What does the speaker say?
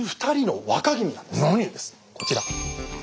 こちら。